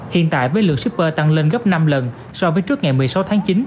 hiện tại với lượng shipper tăng lên gấp năm lần so với trước ngày một mươi sáu tháng chín